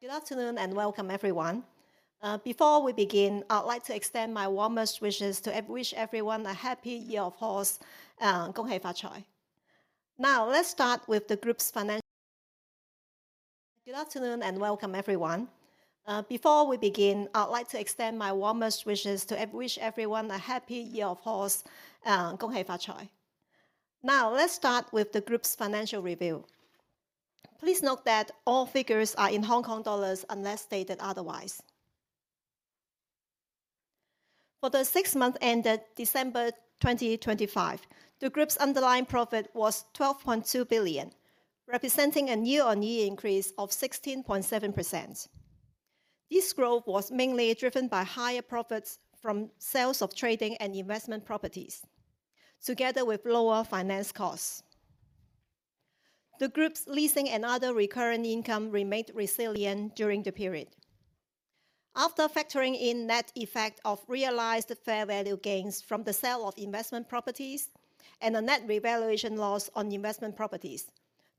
Good afternoon, and welcome, everyone. Before we begin, I'd like to extend my warmest wishes to wish everyone a Happy Year of Horse, Gong hei fat choy. Now, let's start with the group's financial review. Please note that all figures are in Hong Kong dollars, unless stated otherwise. For the six months ended December 2025, the group's underlying profit was 12.2 billion, representing a year-on-year increase of 16.7%. This growth was mainly driven by higher profits from sales of trading and investment properties, together with lower finance costs. The group's leasing and other recurring income remained resilient during the period. After factoring in net effect of realized fair value gains from the sale of investment properties and the net revaluation loss on investment properties,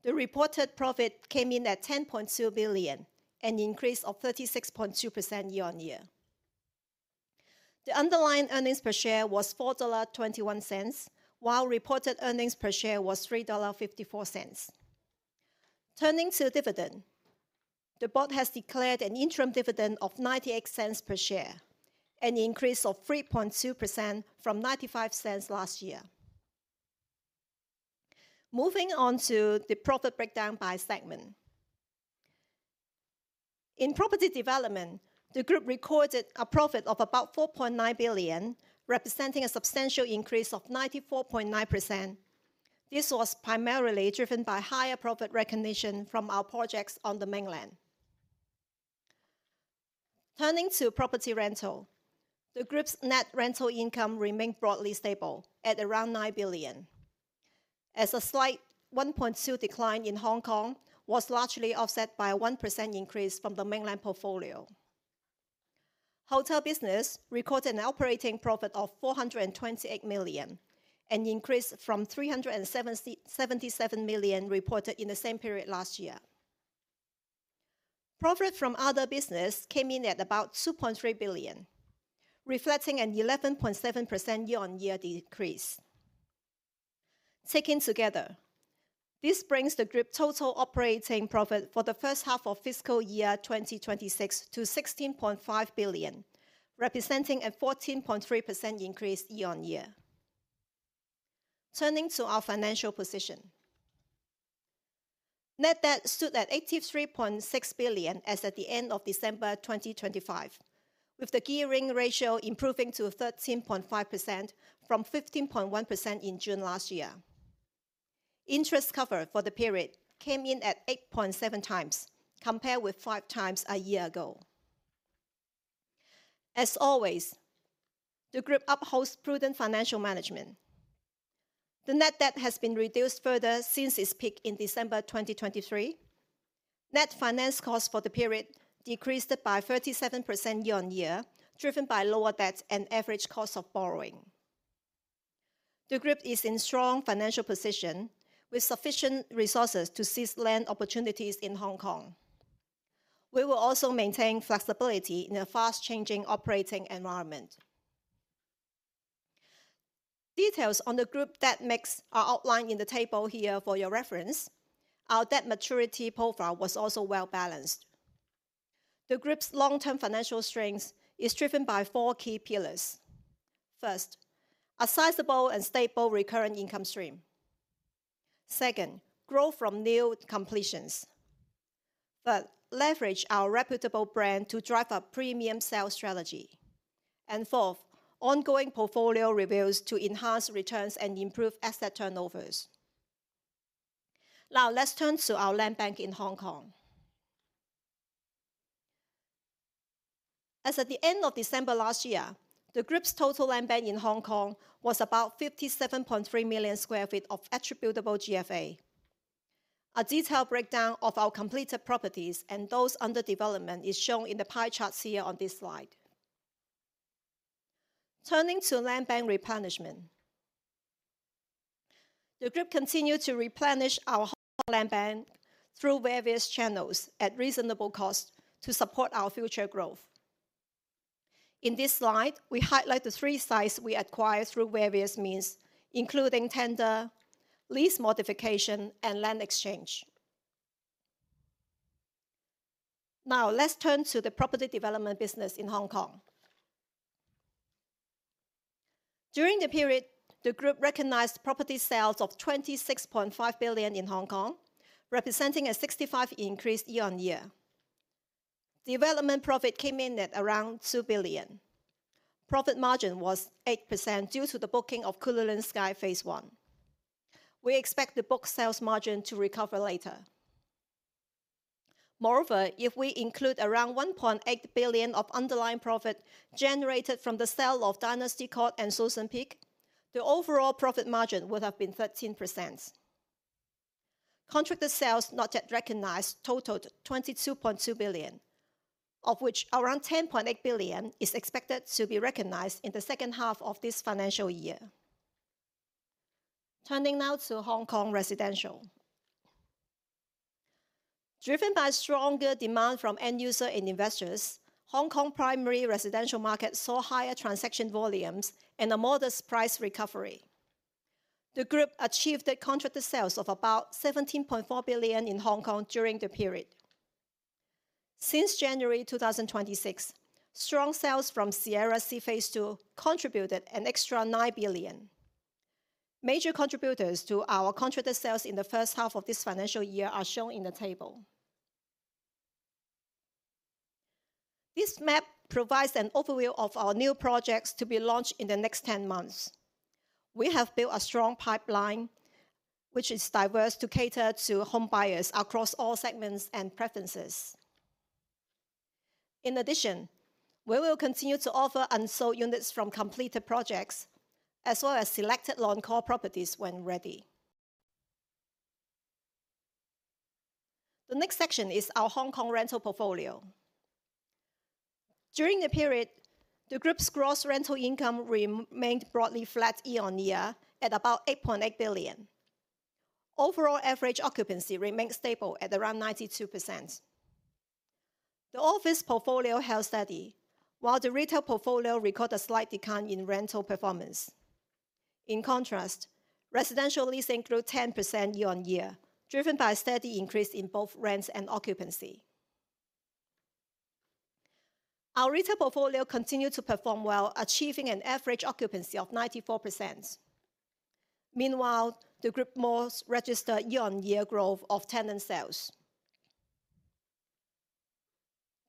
the reported profit came in at 10.2 billion, an increase of 36.2% year-on-year. The underlying earnings per share was 4.21 dollar, while reported earnings per share was 3.54 dollar. Turning to dividend, the board has declared an interim dividend of 0.98 per share, an increase of 3.2% from 0.95 last year. Moving on to the profit breakdown by segment. In property development, the group recorded a profit of about 4.9 billion, representing a substantial increase of 94.9%. This was primarily driven by higher profit recognition from our projects on the Mainland. Turning to property rental, the group's net rental income remained broadly stable at around 9 billion. As a slight 1.2% decline in Hong Kong was largely offset by a 1% increase from the mainland portfolio. Hotel business recorded an operating profit of 428 million, an increase from 377 million reported in the same period last year. Profit from other business came in at about 2.3 billion, reflecting an 11.7% year-on-year decrease. Taken together, this brings the group total operating profit for the first half of fiscal year 2026 to 16.5 billion, representing a 14.3% increase year-on-year. Turning to our financial position. Net debt stood at 83.6 billion as at the end of December 2025, with the gearing ratio improving to 13.5% from 15.1% in June 2025. Interest cover for the period came in at 8.7x, compared with 5x a year ago. As always, the group upholds prudent financial management. The net debt has been reduced further since its peak in December 2023. Net finance costs for the period decreased by 37% year-on-year, driven by lower debt and average cost of borrowing. The group is in strong financial position, with sufficient resources to seize land opportunities in Hong Kong. We will also maintain flexibility in a fast-changing operating environment. Details on the group debt mix are outlined in the table here for your reference. Our debt maturity profile was also well-balanced. The group's long-term financial strength is driven by four key pillars. First, a sizable and stable recurring income stream. Second, growth from new completions. Third, leverage our reputable brand to drive a premium sales strategy. Fourth, ongoing portfolio reviews to enhance returns and improve asset turnovers. Let's turn to our land bank in Hong Kong. As at the end of December last year, the group's total land bank in Hong Kong was about 57.3 million sq ft of attributable GFA. A detailed breakdown of our completed properties and those under development is shown in the pie charts here on this slide. Turning to land bank replenishment. The group continued to replenish our land bank through various channels at reasonable cost to support our future growth. In this slide, we highlight the three sites we acquired through various means, including tender, lease modification, and land exchange. Let's turn to the property development business in Hong Kong. During the period, the group recognized property sales of 26.5 billion in Hong Kong, representing a 65% increase year-on-year. Development profit came in at around 2 billion. Profit margin was 8% due to the booking of Cullinan Sky Phase 1. We expect the book sales margin to recover later. Moreover, if we include around 1.8 billion of underlying profit generated from the sale of Dynasty Court and Shouson Peak, the overall profit margin would have been 13%. Contracted sales not yet recognized totaled 22.2 billion, of which around 10.8 billion is expected to be recognized in the second half of this financial year. Turning now to Hong Kong residential. Driven by stronger demand from end user and investors, Hong Kong primary residential market saw higher transaction volumes and a modest price recovery. The group achieved the contracted sales of about 17.4 billion in Hong Kong during the period. Since January 2026, strong sales from SIERRA SEA Phase 2 contributed an extra 9 billion. Major contributors to our contracted sales in the first half of this financial year are shown in the table. This map provides an overview of our new projects to be launched in the next 10 months. We have built a strong pipeline, which is diverse to cater to home buyers across all segments and preferences. In addition, we will continue to offer unsold units from completed projects, as well as selected non-core properties when ready. The next section is our Hong Kong rental portfolio. During the period, the group's gross rental income remained broadly flat year-on-year, at about 8.8 billion. Overall average occupancy remained stable at around 92%. The office portfolio held steady, while the retail portfolio recorded a slight decline in rental performance. In contrast, residential leasing grew 10% year-over-year, driven by a steady increase in both rents and occupancy. Our retail portfolio continued to perform well, achieving an average occupancy of 94%. Meanwhile, the group malls registered year-over-year growth of tenant sales.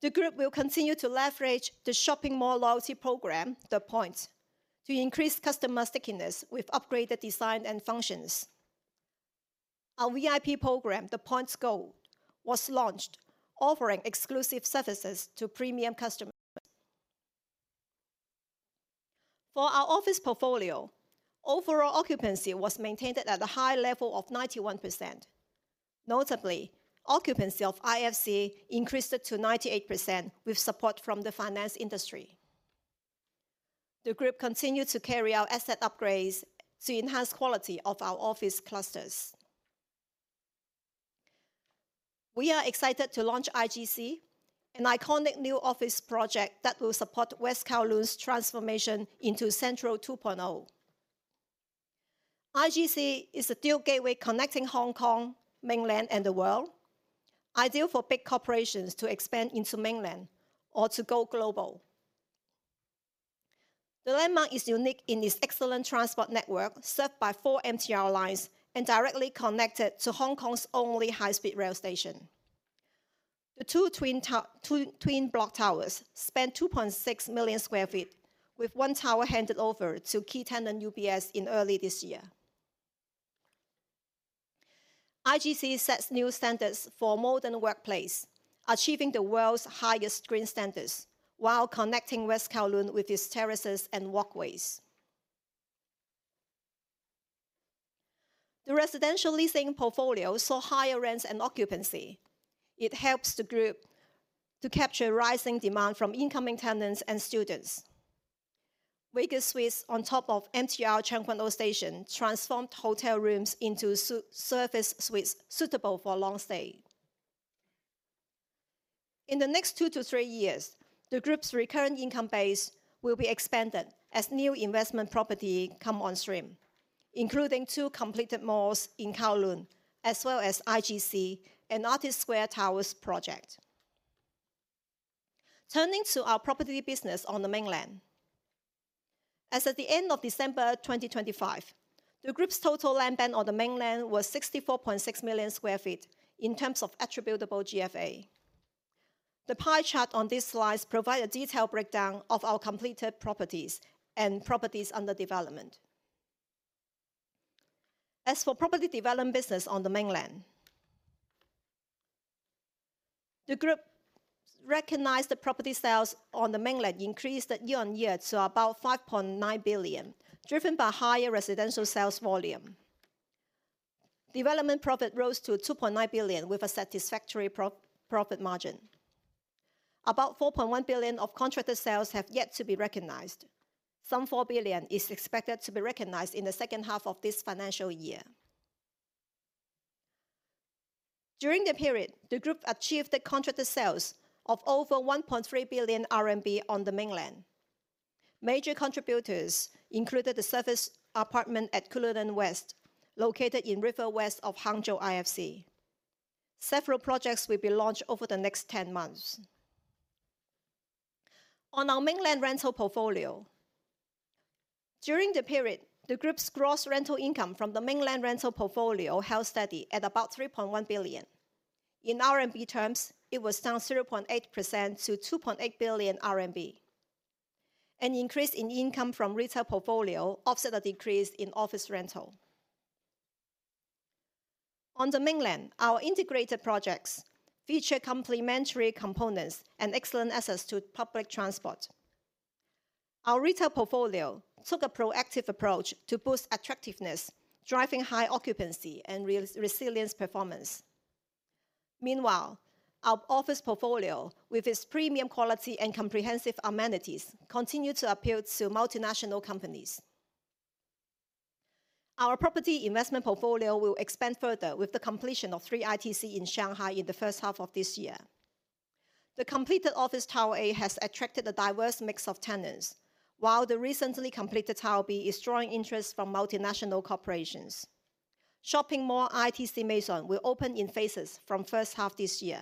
The group will continue to leverage the shopping mall loyalty program, The Point, to increase customer stickiness with upgraded design and functions. Our VIP program, The Point Gold, was launched, offering exclusive services to premium customers. For our office portfolio, overall occupancy was maintained at a high level of 91%. Notably, occupancy of IFC increased to 98% with support from the finance industry. The group continued to carry out asset upgrades to enhance quality of our office clusters. We are excited to launch IGC, an iconic new office project that will support West Kowloon's transformation into Central 2.0. IGC is a dual gateway connecting Hong Kong, Mainland, and the world, ideal for big corporations to expand into Mainland or to go global. The landmark is unique in its excellent transport network, served by four MTR lines and directly connected to Hong Kong's only high-speed rail station. The two twin block towers span 2.6 million sq ft, with one tower handed over to key tenant UBS in early this year. IGC sets new standards for modern workplace, achieving the world's highest green standards, while connecting West Kowloon with its terraces and walkways. The residential leasing portfolio saw higher rents and occupancy. It helps the group to capture rising demand from incoming tenants and students. Vega Suites on top of MTR Tseung Kwan O station, transformed hotel rooms into serviced suites suitable for long stay. In the next two to three years, the group's recurrent income base will be expanded as new investment property come on stream, including two completed malls in Kowloon, as well as IGC and Artist Square Towers project. Turning to our property business on the Mainland. As at the end of December 2025, the group's total land bank on the Mainland was 64.6 million sq ft in terms of attributable GFA. The pie chart on this slide provide a detailed breakdown of our completed properties and properties under development. As for property development business on the Mainland, the group recognized the property sales on the Mainland increased year-on-year to about $5.9 billion, driven by higher residential sales volume. Development profit rose to $2.9 billion with a satisfactory pro-profit margin. About $4.1 billion of contracted sales have yet to be recognized. Some 4 billion is expected to be recognized in the second half of this financial year. During the period, the group achieved the contracted sales of over 1.3 billion RMB on the Mainland. Major contributors included the service apartment at Cullinan West, located in River West of Hangzhou IFC. Several projects will be launched over the next 10 months. On our Mainland rental portfolio, during the period, the group's gross rental income from the Mainland rental portfolio held steady at about 3.1 billion. In RMB terms, it was down 0.8% to 2.8 billion RMB. An increase in income from retail portfolio offset a decrease in office rental. On the Mainland, our integrated projects feature complementary components and excellent access to public transport. Our retail portfolio took a proactive approach to boost attractiveness, driving high occupancy and resilience performance. Meanwhile, our office portfolio, with its premium quality and comprehensive amenities, continue to appeal to multinational companies. Our property investment portfolio will expand further with the completion of Three ITC in Shanghai in the first half of this year. The completed Office Tower A has attracted a diverse mix of tenants, while the recently completed Tower B is drawing interest from multinational corporations. Shopping mall ITC Maison will open in phases from first half this year.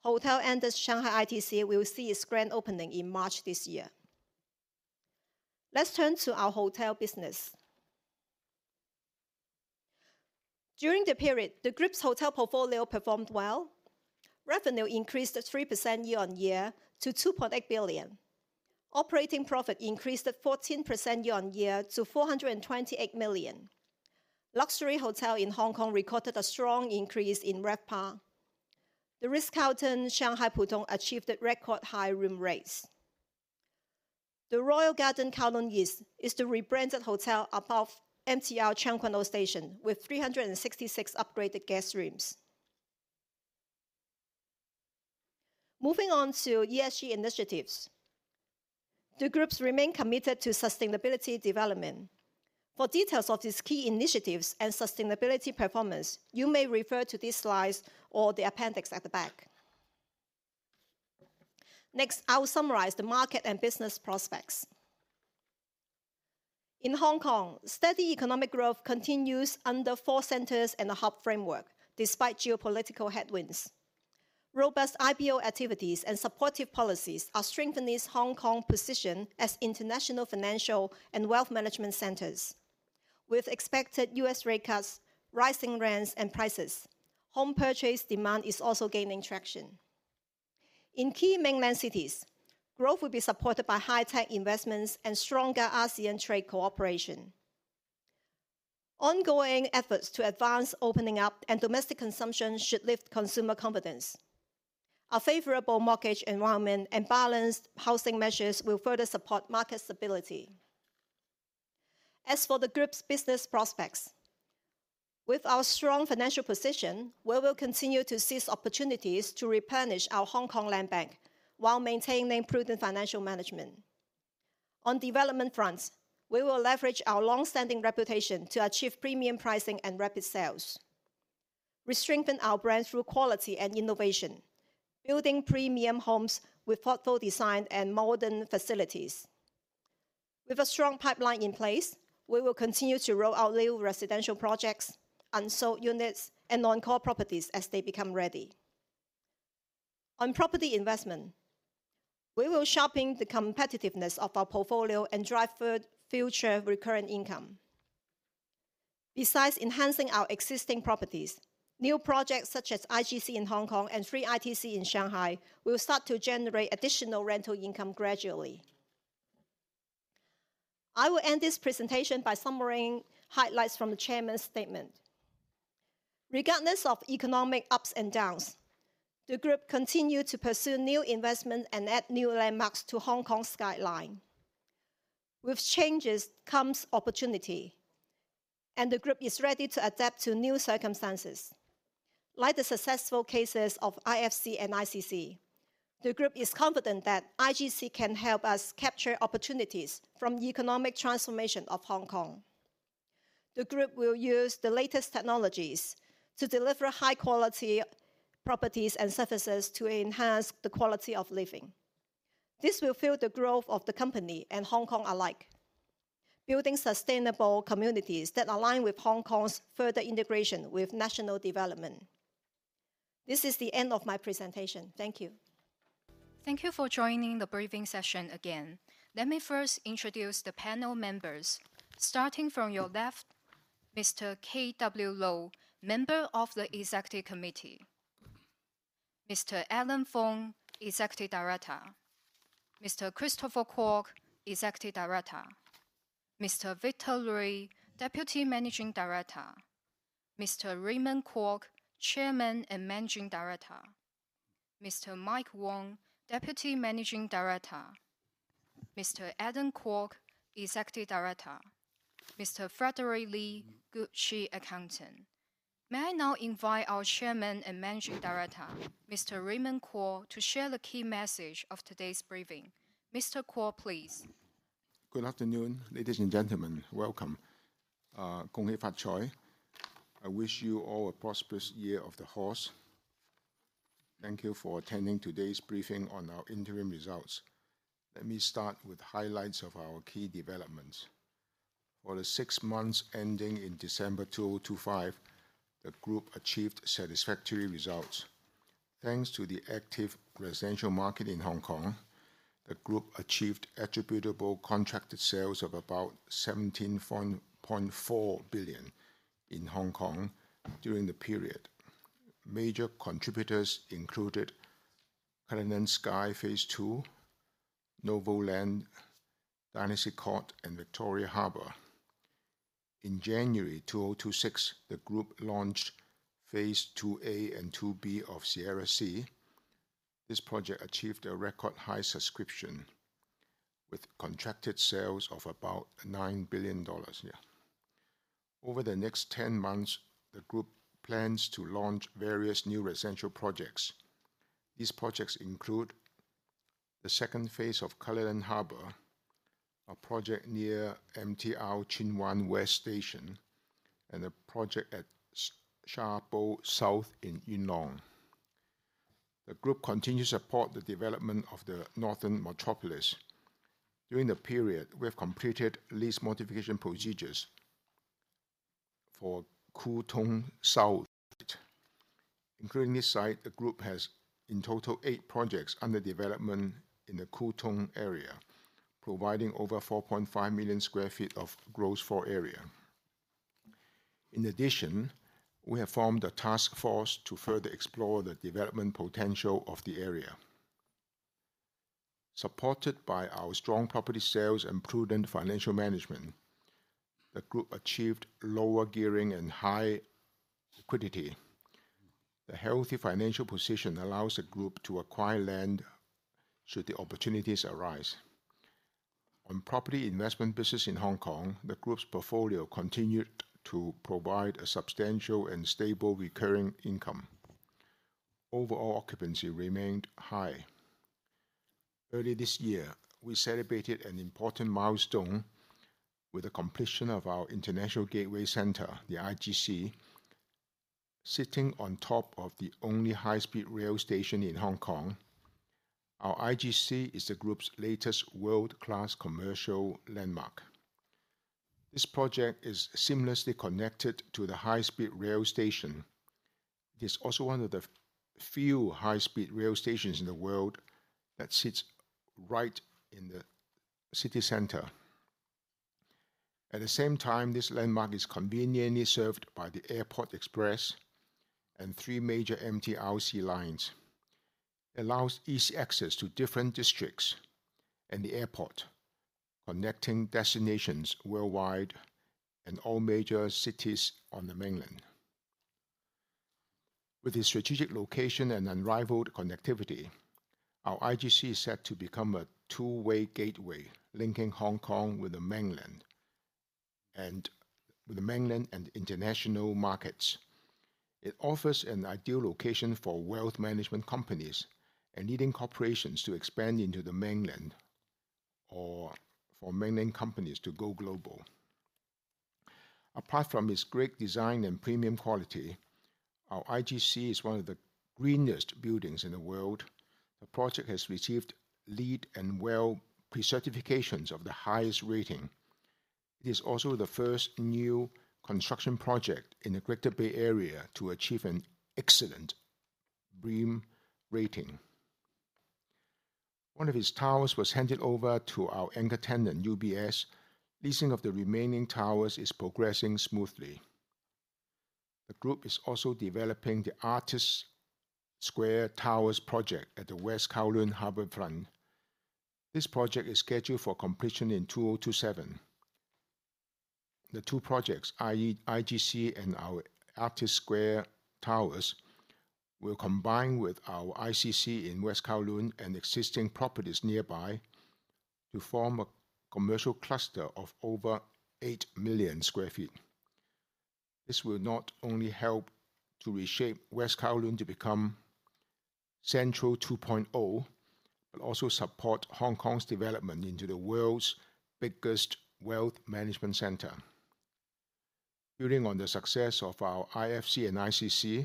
Hotel Andaz Shanghai ITC will see its grand opening in March this year. Let's turn to our hotel business. During the period, the group's hotel portfolio performed well. Revenue increased at 3% year-on-year to 2.8 billion. Operating profit increased at 14% year-on-year to 428 million. Luxury hotel in Hong Kong recorded a strong increase in RevPAR. The Ritz-Carlton, Shanghai, Pudong, achieved a record high room rates. The Royal Garden Kowloon East is the rebranded hotel above MTR Tsim Sha Tsui station, with 366 upgraded guest rooms. Moving on to ESG initiatives. The groups remain committed to sustainability development. For details of these key initiatives and sustainability performance, you may refer to these slides or the appendix at the back. Next, I will summarize the market and business prospects. In Hong Kong, steady economic growth continues under four centers and a hub framework, despite geopolitical headwinds. Robust IPO activities and supportive policies are strengthening Hong Kong's position as international financial and wealth management centers. With expected U.S. rate cuts, rising rents and prices, home purchase demand is also gaining traction. In key mainland cities, growth will be supported by high-tech investments and stronger ASEAN trade cooperation. Ongoing efforts to advance opening up and domestic consumption should lift consumer confidence. Our favorable mortgage environment and balanced housing measures will further support market stability. As for the group's business prospects, with our strong financial position, we will continue to seize opportunities to replenish our Hong Kong land bank while maintaining prudent financial management. On development fronts, we will leverage our long-standing reputation to achieve premium pricing and rapid sales. We strengthen our brand through quality and innovation, building premium homes with thoughtful design and modern facilities. With a strong pipeline in place, we will continue to roll out new residential projects, unsold units, and non-core properties as they become ready. On property investment, we will sharpen the competitiveness of our portfolio and drive future recurrent income. Besides enhancing our existing properties, new projects such as IGC in Hong Kong and Three ITC in Shanghai, will start to generate additional rental income gradually. I will end this presentation by summarizing highlights from the chairman's statement. Regardless of economic ups and downs, the group continued to pursue new investment and add new landmarks to Hong Kong's skyline. With changes, comes opportunity, and the group is ready to adapt to new circumstances. Like the successful cases of IFC and ICC, the group is confident that IGC can help us capture opportunities from the economic transformation of Hong Kong. The group will use the latest technologies to deliver high quality properties and services to enhance the quality of living. This will fuel the growth of the company and Hong Kong alike, building sustainable communities that align with Hong Kong's further integration with national development. This is the end of my presentation. Thank you. Thank you for joining the briefing session again. Let me first introduce the panel members. Starting from your left, Mr. K W Lo, Member of the Executive Committee. Mr. Alan Fung, Executive Director. Mr. Christopher Kwok, Executive Director. Mr. Victor Lui, Deputy Managing Director. Mr. Raymond Kwok, Chairman and Managing Director. Mr. Mike Wong, Deputy Managing Director. Mr. Adam Kwok, Executive Director. Mr. Frederick Li, Chief Accountant. May I now invite our Chairman and Managing Director, Mr. Raymond Kwok, to share the key message of today's briefing. Mr. Kwok, please. Good afternoon, ladies and gentlemen. Welcome. Kong Hei Fat Choy. I wish you all a prosperous Year of the Horse. Thank you for attending today's briefing on our interim results. Let me start with highlights of our key developments. For the six months ending in December 2025, the group achieved satisfactory results. Thanks to the active residential market in Hong Kong, the group achieved attributable contracted sales of about 17.4 billion in Hong Kong during the period. Major contributors included Cullinan Sky Phase 2, NOVO Land, Dynasty Court, and Victoria Harbour. In January 2026, the group launched Phase 2A and 2B of SIERRA SEA. This project achieved a record high subscription with contracted sales of about 9 billion dollars. Over the next 10 months, the group plans to launch various new residential projects. These projects include the second phase of Cullinan Harbour, a project near MTR Tsuen Wan West Station, and a project at Sha Po South in Yuen Long. The group continues to support the development of the Northern Metropolis. During the period, we have completed lease modification procedures for Kwun Tong South. Including this site, the group has, in total, eight projects under development in the Kwun Tong area, providing over 4.5 million sq ft of gross floor area. In addition, we have formed a task force to further explore the development potential of the area. Supported by our strong property sales and prudent financial management, the group achieved lower gearing and high liquidity. The healthy financial position allows the group to acquire land should the opportunities arise. On property investment business in Hong Kong, the group's portfolio continued to provide a substantial and stable recurring income. Overall occupancy remained high. Early this year, we celebrated an important milestone with the completion of our International Gateway Centre, the IGC. Sitting on top of the only high-speed rail station in Hong Kong, our IGC is the group's latest world-class commercial landmark. This project is seamlessly connected to the high-speed rail station. It is also one of the few high-speed rail stations in the world that sits right in the city center. At the same time, this landmark is conveniently served by the Airport Express and three major MTRC lines. Allows easy access to different districts and the airport, connecting destinations worldwide and all major cities on the mainland. With its strategic location and unrivaled connectivity, our IGC is set to become a two-way gateway, linking Hong Kong with the mainland, and with the mainland and international markets. It offers an ideal location for wealth management companies and leading corporations to expand into the mainland, or for mainland companies to go global. Apart from its great design and premium quality, our IGC is one of the greenest buildings in the world. The project has received LEED and WELL pre-certifications of the highest rating. It is also the first new construction project in the Greater Bay Area to achieve an excellent BREEAM rating. One of its towers was handed over to our anchor tenant, UBS. Leasing of the remaining towers is progressing smoothly. The group is also developing the Artist Square Towers project at the West Kowloon harborfront. This project is scheduled for completion in 2027. The two projects, i.e., IGC and our Artist Square Towers, will combine with our ICC in West Kowloon and existing properties nearby, to form a commercial cluster of over 8 million sq ft. This will not only help to reshape West Kowloon to become Central 2.0, but also support Hong Kong's development into the world's biggest wealth management center. Building on the success of our IFC and ICC,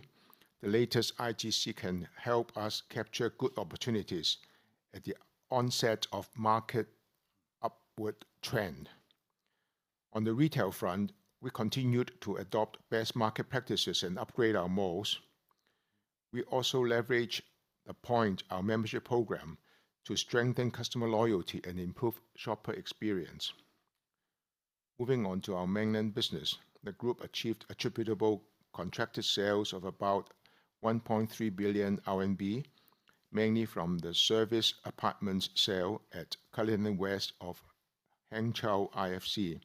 the latest IGC can help us capture good opportunities at the onset of market upward trend. On the retail front, we continued to adopt best market practices and upgrade our malls. We also leveraged The Point, our membership program, to strengthen customer loyalty and improve shopper experience. Moving on to our mainland business, the group achieved attributable contracted sales of about 1.3 billion RMB, mainly from the serviced apartments sale at Cullinan West of Hangzhou IFC.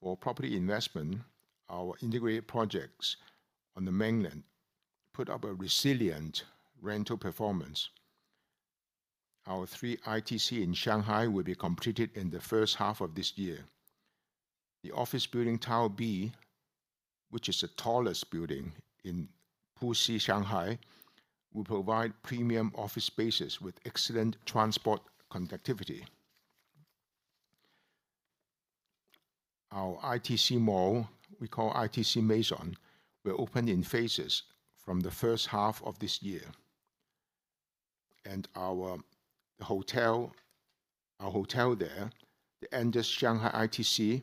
For property investment, our integrated projects on the mainland put up a resilient rental performance. Our Three ITC in Shanghai will be completed in the first half of this year. The office building, Tower B, which is the tallest building in Puxi, Shanghai, will provide premium office spaces with excellent transport connectivity. Our ITC Mall, we call ITC Maison, will open in phases from the first half of this year. And our hotel, our hotel there, the Andaz Shanghai ITC,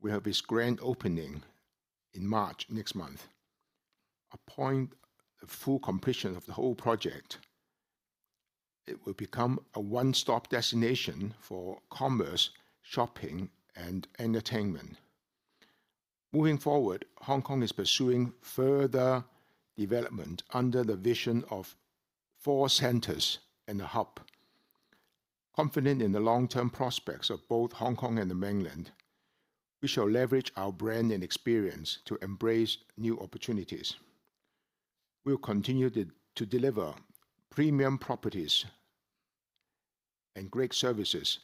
will have its grand opening in March, next month. Upon the full completion of the whole project, it will become a one-stop destination for commerce, shopping, and entertainment. Moving forward, Hong Kong is pursuing further development under the vision of four centers and a hub. Confident in the long-term prospects of both Hong Kong and the mainland, we shall leverage our brand and experience to embrace new opportunities.... We'll continue to deliver premium properties and great services.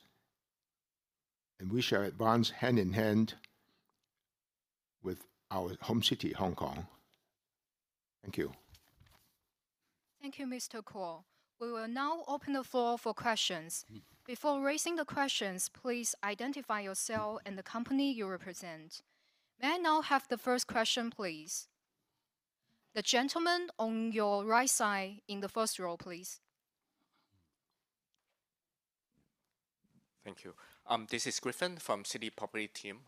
We shall advance hand in hand with our home city, Hong Kong. Thank you. Thank you, Mr. Kwok. We will now open the floor for questions. Before raising the questions, please identify yourself and the company you represent. May I now have the first question, please? The gentleman on your right side, in the first row, please. Thank you. This is Griffin from Citi Property Team.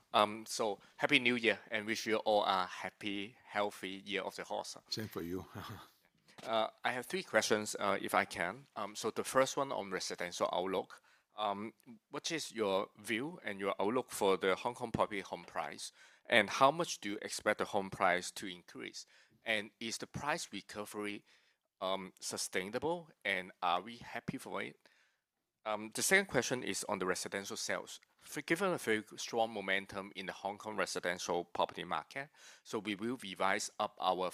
Happy New Year, and wish you all a happy, healthy Year of the Horse. Same for you. I have three questions, if I can. The first one on residential outlook. What is your view and your outlook for the Hong Kong property home price? How much do you expect the home price to increase? Is the price recovery sustainable, and are we happy for it? The second question is on the residential sales. For given a very strong momentum in the Hong Kong residential property market, we will revise up our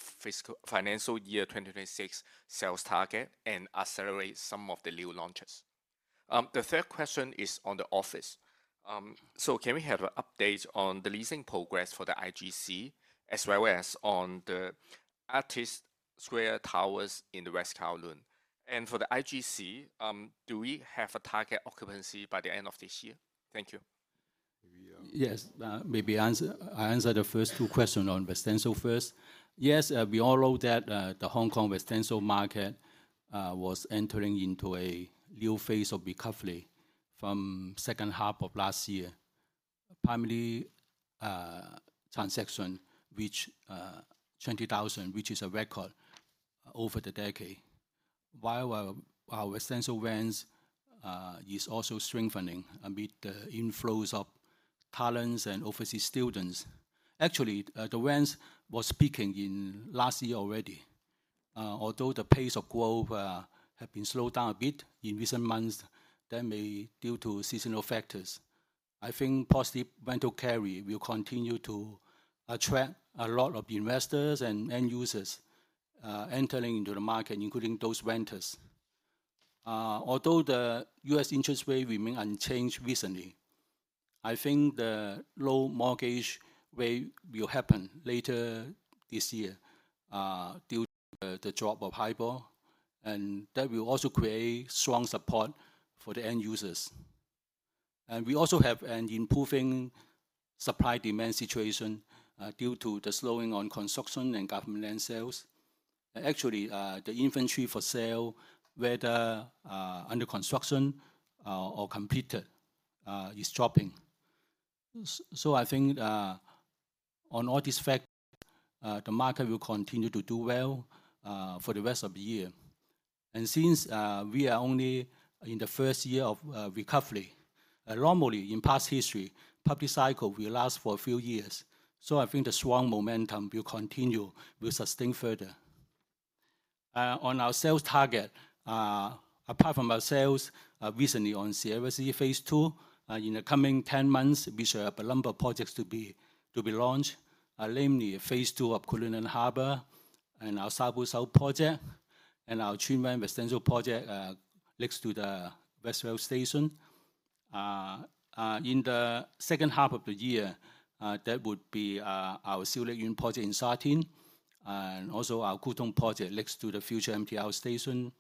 financial year 2026 sales target, and accelerate some of the new launches. The third question is on the office. Can we have a update on the leasing progress for the IGC, as well as on the Artist Square Towers in West Kowloon? For the IGC, do we have a target occupancy by the end of this year? Thank you. Maybe. Yes, maybe I answer the first two question on residential first. Yes, we all know that the Hong Kong residential market was entering into a new phase of recovery from second half of last year. Primarily, transaction reached 20,000, which is a record over the decade. While our residential rents is also strengthening amid the inflows of talents and overseas students. Actually, the rents was peaking in last year already. Although the pace of growth have been slowed down a bit in recent months, that may due to seasonal factors. I think positive rental carry will continue to attract a lot of investors and end users entering into the market, including those renters. Although the US interest rate remain unchanged recently, I think the low mortgage rate will happen later this year, due to the drop of HIBOR, and that will also create strong support for the end users. We also have an improving supply-demand situation, due to the slowing on construction and government land sales. Actually, the inventory for sale, whether under construction or completed is dropping. So I think on all these factors, the market will continue to do well for the rest of the year. Since we are only in the first year of recovery, normally in past history, property cycle will last for a few years, so I think the strong momentum will continue, will sustain further. On our sales target, apart from our sales recently on Cullinan Sky Phase 2, in the coming 10 months, we shall have a number of projects to be launched. Namely, Phase 2 of Cullinan Harbour, and our Sha Po South project, and our Tsuen Wan residential project next to the West Rail Station. In the second half of the year, that would be our Siu Lek Yuen project in Sha Tin, and also our Kwun Tong Town Centre project next to the future MTR station,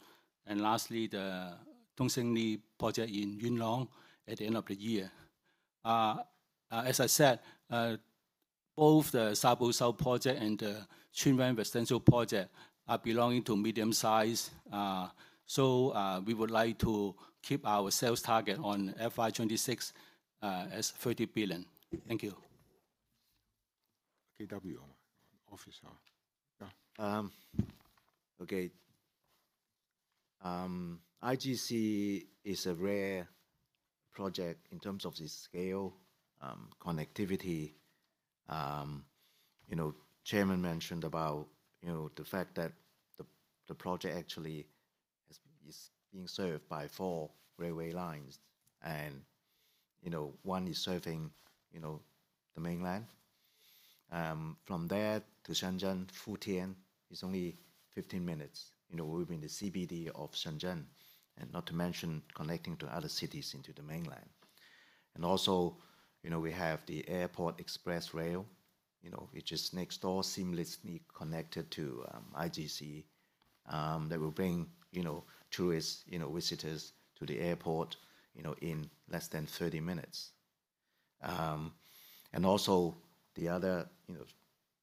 and lastly, the Tung Shing Lei project in Yuen Long at the end of the year. As I said, both the Sha Po South project and the Tsuen Wan residential project are belonging to medium size. We would like to keep our sales target on FY 2026, as HKD 30 billion. Thank you. KW, office, huh? Yeah. IGC is a rare project in terms of the scale, connectivity. Chairman mentioned about the fact that the project actually is being served by four railway lines, one is serving the mainland. From there to Shenzhen, Futian, is only 15 minutes within the CBD of Shenzhen, not to mention connecting to other cities into the mainland. Also, we have the Airport Express, which is next door, seamlessly connected to IGC. That will bring tourists, visitors to the airport in less than 30 minutes. Also the other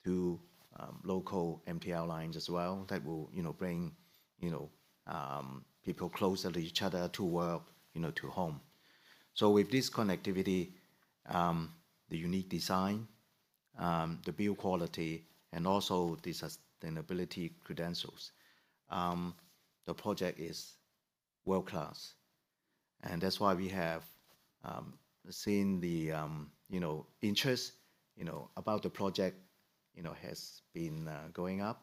two local MTR lines as well, that will bring people closer to each other, to work, to home. With this connectivity, the unique design, the build quality, and also the sustainability credentials, the project is world-class. That's why we have seen the, you know, interest, you know, about the project, you know, has been going up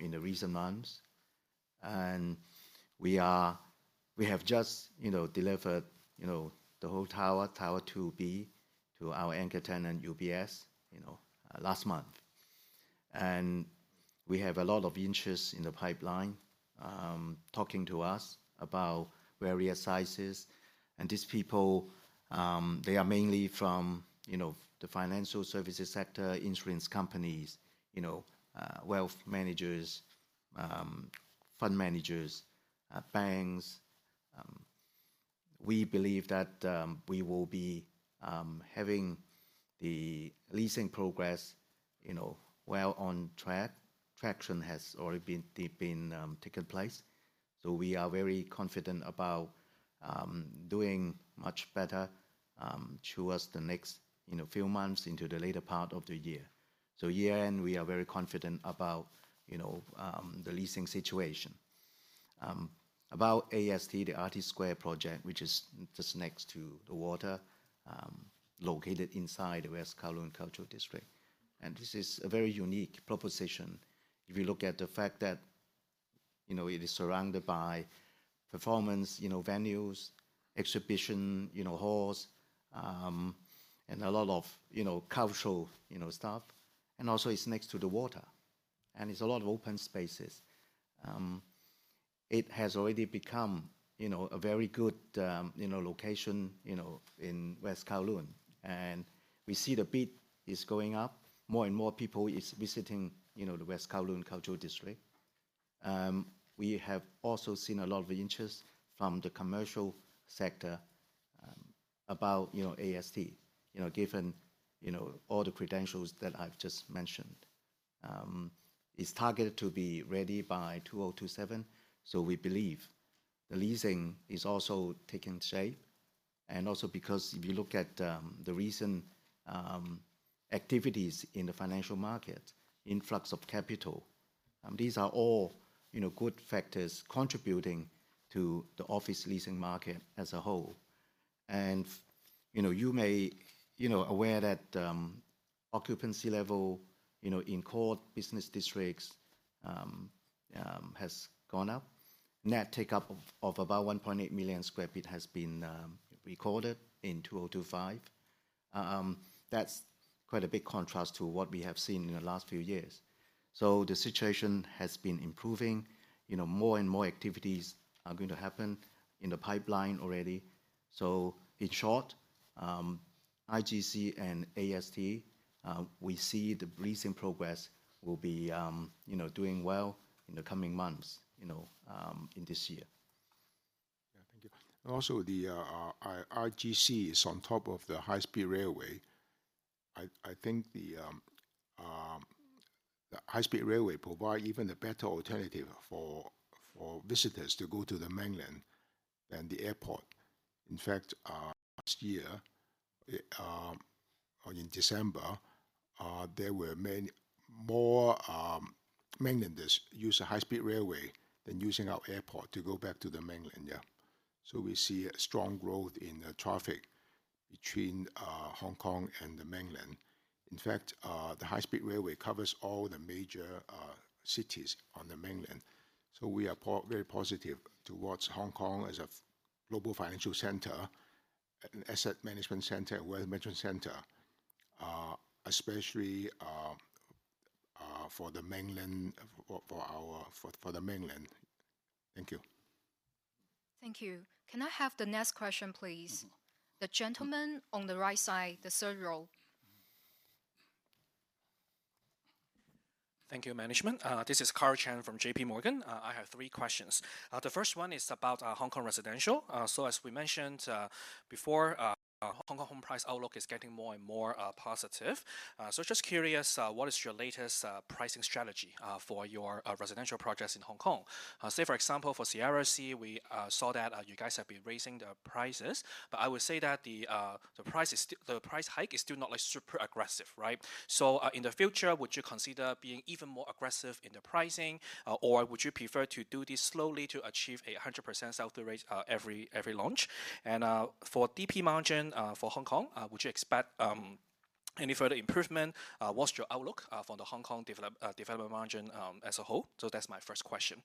in the recent months. And we are, we have just, you know, delivered, you know, the whole tower, Tower 2B, to our anchor tenant, UBS, you know, last month. We have a lot of interest in the pipeline, talking to us about various sizes. These people, they are mainly from, you know, the financial services sector, insurance companies, you know, wealth managers, fund managers, banks. We believe that we will be having the leasing progress, you know, well on track. Traction has already been taken place, so we are very confident about doing much better towards the next, you know, few months into the later part of the year. Year-end, we are very confident about, you know, the leasing situation. About AST, the Artist Square project, which is just next to the water, located inside the West Kowloon Cultural District. This is a very unique proposition. If you look at the fact that, you know, it is surrounded by performance, you know, venues, exhibition, you know, halls, and a lot of, you know, cultural, you know, stuff, and also it's next to the water, and it's a lot of open spaces. It has already become, you know, a very good, you know, location, you know, in West Kowloon. We see the beat is going up. More and more people is visiting, you know, the West Kowloon Cultural District. We have also seen a lot of interest from the commercial sector, about, you know, AST, you know, given, you know, all the credentials that I've just mentioned. It's targeted to be ready by 2027. We believe the leasing is also taking shape, and also because if you look at the recent activities in the financial market, influx of capital, these are all, you know, good factors contributing to the office leasing market as a whole. You know, aware that occupancy level, you know, in core business districts has gone up. Net take-up of about 1.8 million sq ft has been recorded in 2025. That's quite a big contrast to what we have seen in the last few years. The situation has been improving. You know, more and more activities are going to happen, in the pipeline already. In short, IGC and AST, we see the leasing progress will be, you know, doing well in the coming months, you know, in this year. Thank you. Our IGC is on top of the high-speed railway. I think the high-speed railway provide even a better alternative for visitors to go to the mainland than the airport. In fact, last year, in December, there were many more mainlanders use the high-speed railway than using our airport to go back to the mainland. Yeah. We see a strong growth in the traffic between Hong Kong and the mainland. The high-speed railway covers all the major cities on the mainland. We are very positive towards Hong Kong as a global financial center, an asset management center, wealth management center, especially for the mainland. Thank you. Thank you. Can I have the next question, please? Mm-hmm. The gentleman on the right side, the third row. Thank you, management. This is Karl Chan from JPMorgan. I have three questions. The first one is about Hong Kong residential. As we mentioned before, Hong Kong home price outlook is getting more and more positive. Just curious, what is your latest pricing strategy for your residential projects in Hong Kong? Say, for example, for SIERRA SEA, we saw that you guys have been raising the prices, but I would say that the price hike is still not like super aggressive, right? In the future, would you consider being even more aggressive in the pricing, or would you prefer to do this slowly to achieve a 100% sell-through rate every launch? For DP margin for Hong Kong, would you expect any further improvement? What's your outlook for the Hong Kong development margin as a whole? That's my first question.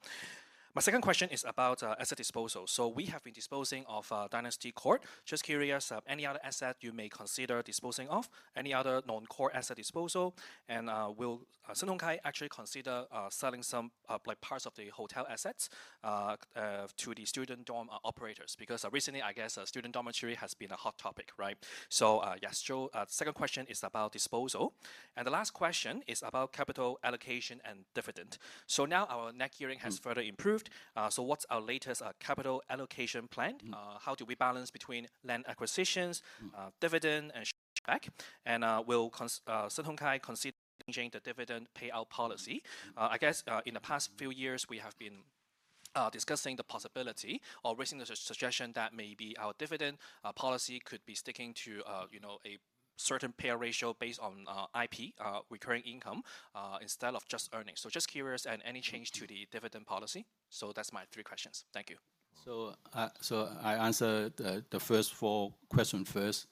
My second question is about asset disposal. We have been disposing of Dynasty Court. Just curious, any other asset you may consider disposing of, any other non-core asset disposal, and will Sun Hung Kai actually consider selling some like parts of the hotel assets to the student dorm operators? Because recently, I guess, student dormitory has been a hot topic, right? Yes, second question is about disposal. The last question is about capital allocation and dividend. Now our net gearing- Mm Has further improved. What's our latest capital allocation plan? Mm. How do we balance between land acquisitions? Mm Dividend, and share buyback? Will Sun Hung Kai consider changing the dividend payout policy? Mm. I guess, in the past few years, we have been discussing the possibility or raising the suggestion that maybe our dividend policy could be sticking to, you know, a certain payout ratio based on IP recurring income, instead of just earnings. Just curious, and any change to the dividend policy. That's my three questions. Thank you. I answer the first four question first.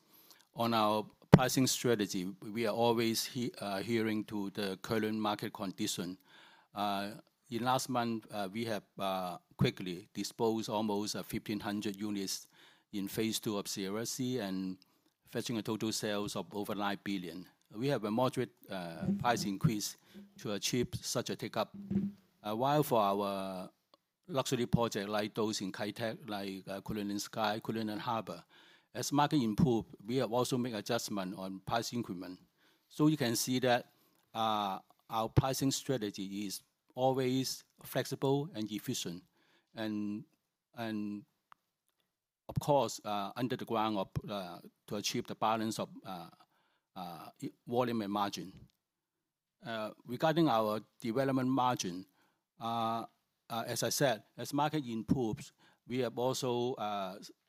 On our pricing strategy, we are always adhering to the current market condition. Last month, we have quickly disposed almost 1,500 units in Phase 2 of SIERRA SEA and fetching a total sales of over 9 billion. We have a moderate price increase to achieve such a take up. For our luxury project, like those in Kai Tak, like Cullinan Sky, Cullinan Harbour. As market improve, we have also make adjustment on price increment. You can see that our pricing strategy is always flexible and efficient, and, of course, under the ground of to achieve the balance of volume and margin. Regarding our development margin, as I said, as market improves, we have also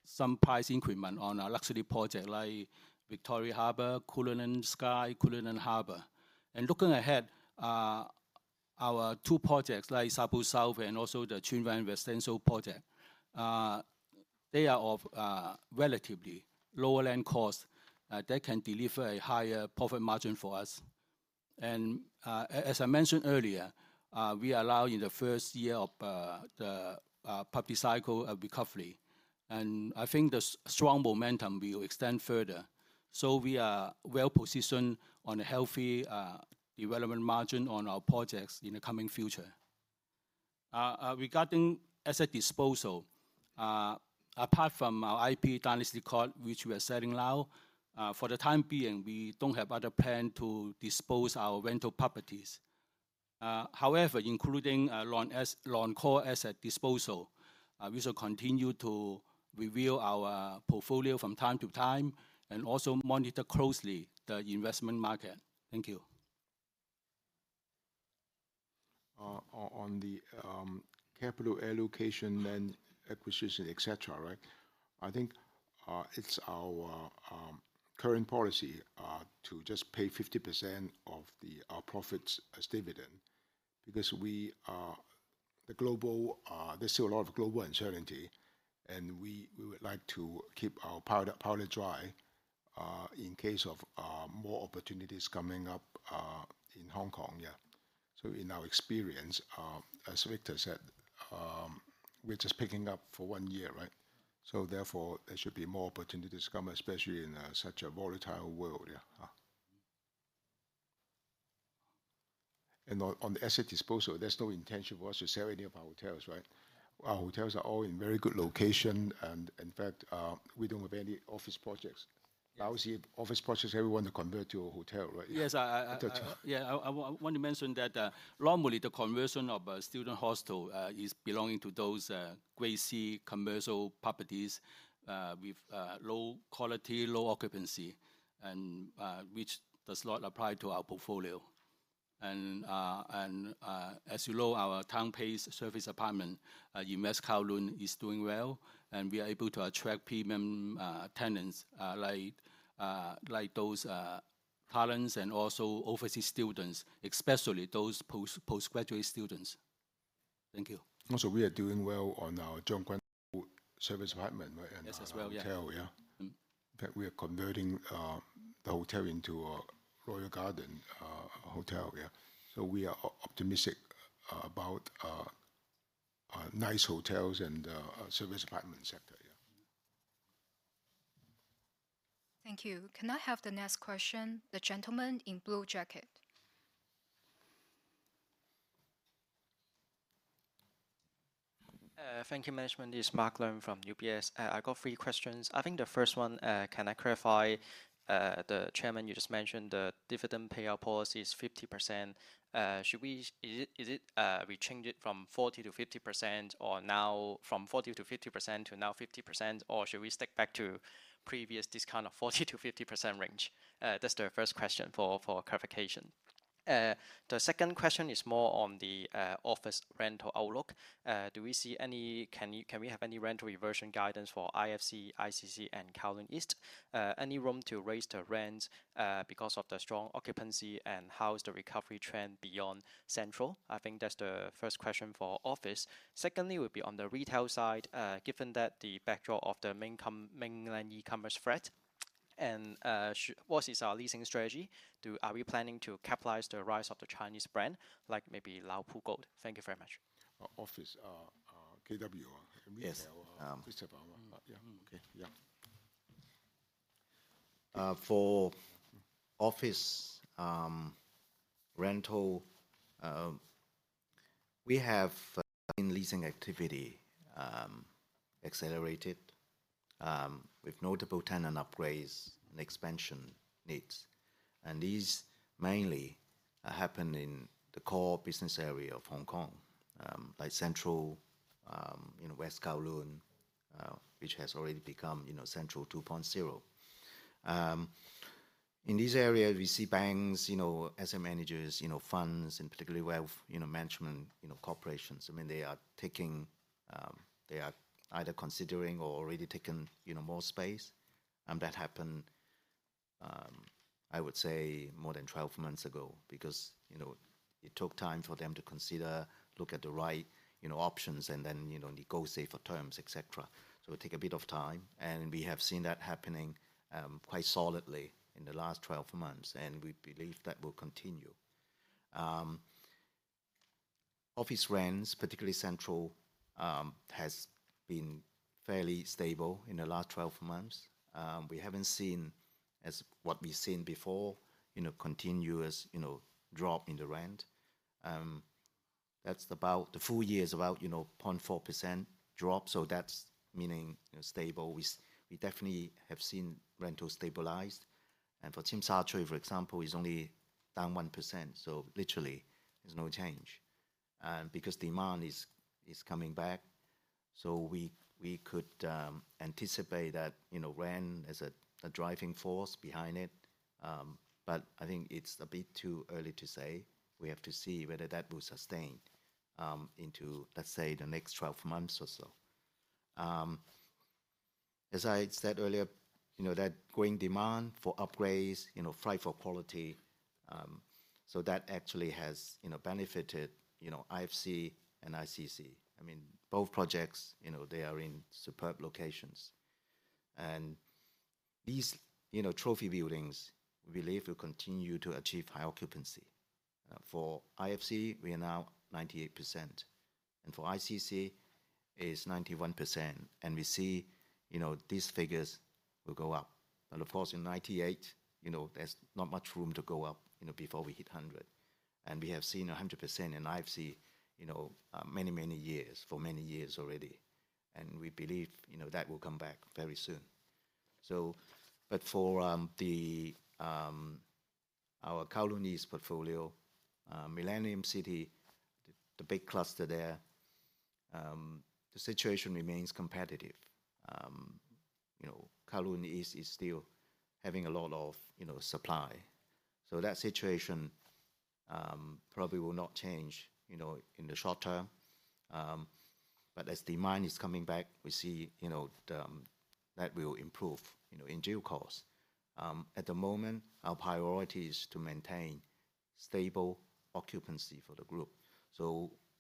some price increment on our luxury project, like Victoria Harbour, Cullinan Sky, Cullinan Harbour. Looking ahead, our two projects, like Sha Po South and also the Tsuen Wan West station project. They are of relatively lower land cost that can deliver a higher profit margin for us. As I mentioned earlier, we are now in the first year of the property cycle of recovery, and I think the strong momentum will extend further. We are well positioned on a healthy development margin on our projects in the coming future. Regarding asset disposal, apart from our IP Dynasty Court, which we are selling now, for the time being, we don't have other plan to dispose our rental properties. However, including non-core asset disposal, we shall continue to review our portfolio from time to time and also monitor closely the investment market. Thank you. On the capital allocation and acquisition, et cetera, right? I think it's our current policy to just pay 50% of the, our profits as dividend, because there's still a lot of global uncertainty, and we would like to keep our powder dry in case of more opportunities coming up in Hong Kong. Yeah. In our experience, as Victor said, we're just picking up for one year, right? Therefore, there should be more opportunities to come, especially in such a volatile world. Yeah. On the asset disposal, there's no intention for us to sell any of our hotels, right? Our hotels are all in very good location, and in fact, we don't have any office projects. We see office projects, everyone to convert to a hotel, right? Yes. That's right. Yeah, I want to mention that normally the conversion of a student hostel is belonging to those Grade C commercial properties with low quality, low occupancy, and which does not apply to our portfolio. As you know, our TOWNPLACE serviced apartment in West Kowloon is doing well, and we are able to attract premium tenants like those talents and also overseas students, especially those postgraduate students. Thank you. Also, we are doing well on our Tsuen Wan service apartment, right? Yes, as well. Hotel. Yeah. Mm-hmm. In fact, we are converting the hotel into a Royal Garden hotel. Yeah. We are optimistic about nice hotels and service apartment sector. Yeah. Thank you. Can I have the next question? The gentleman in blue jacket. Thank you, management. This is Mark Leung from UBS. I got three questions. I think the first one, can I clarify, the chairman, you just mentioned the dividend payout policy is 50%. Is it we change it from 40%-50%, or now from 40%-50% to now 50%? Or should we stick back to previous discount of 40%-50% range? That's the first question for clarification. The second question is more on the office rental outlook. Can we have any rental reversion guidance for IFC, ICC, and Kowloon East? Any room to raise the rents, because of the strong occupancy, and how is the recovery trend beyond Central? I think that's the first question for office. Secondly, would be on the retail side, given that the backdrop of the mainland e-commerce threat, what is our leasing strategy? Are we planning to capitalize the rise of the Chinese brand, like maybe Laopu Gold? Thank you very much. Office, KW. Yes. Mr. Bauer. Yeah. Okay. Yeah. For office rental, we have seen leasing activity accelerated with notable tenant upgrades and expansion needs. These mainly happen in the core business area of Hong Kong, like Central, West Kowloon, which has already become Central 2.0. In these areas, we see banks, asset managers, funds, and particularly wealth management corporations. I mean, they are either considering or already taking more space, and that happened I would say more than 12 months ago, because it took time for them to consider, look at the right options, and then negotiate for terms, et cetera. It take a bit of time, and we have seen that happening quite solidly in the last 12 months, and we believe that will continue. Office rents, particularly Central, has been fairly stable in the last 12 months. We haven't seen as what we've seen before, you know, continuous, you know, drop in the rent. That's about the full year is about, you know, 0.4% drop, that's meaning, you know, stable. We definitely have seen rentals stabilize, and for Tsim Sha Tsui, for example, is only down 1%, literally there's no change. Because demand is coming back, we could anticipate that, you know, rent is a driving force behind it. I think it's a bit too early to say. We have to see whether that will sustain, into, let's say, the next 12 months or so. As I said earlier, you know, that growing demand for upgrades, you know, fight for quality, so that actually has, you know, benefited, you know, IFC and ICC. I mean, both projects, you know, they are in superb locations. These, you know, trophy buildings, we believe will continue to achieve high occupancy. For IFC, we are now 98%, and for ICC, it is 91%, and we see, you know, these figures will go up. Of course, in 98%, you know, there's not much room to go up, you know, before we hit 100%. We have seen 100% in IFC, you know, for many years already, and we believe, you know, that will come back very soon. For our Kowloon East portfolio, Millennium City, the big cluster there, the situation remains competitive. You know, Kowloon East is still having a lot of, you know, supply. That situation probably will not change, you know, in the short term. As demand is coming back, we see, you know, that will improve, you know, in due course. At the moment, our priority is to maintain stable occupancy for the group,